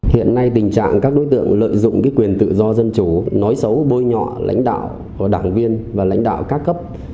hiện nay tình trạng các đối tượng lợi dụng quyền tự do dân chủ nói xấu bôi nhọ lãnh đạo của đảng viên và lãnh đạo các cấp